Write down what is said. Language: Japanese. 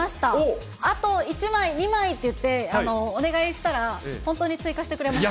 あと１枚、２枚っていって、お願いしたら、本当に追加してくれました。